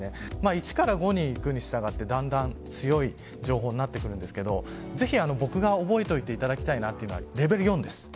１から５に行くにしたがってだんだん強い情報になるんですがぜひ、僕が覚えておいていただきたいのはレベル４です。